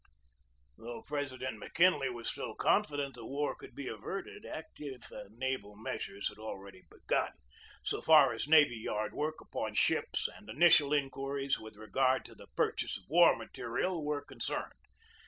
COMMAND OF ASIATIC SQUADRON 179 Though President McKinley was still confident that war could be averted, active naval measures had already begun, so far as navy yard work upon ships and initial inquiries with regard to the pur chase of war material were concerned.